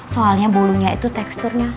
soalnya bolunya itu teksturnya